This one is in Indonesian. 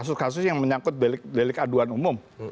kasus kasus yang menyangkut delik aduan umum